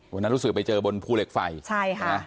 วันนั้นรู้สึกไปเจอบนภูเล็กไฟใช่ค่ะ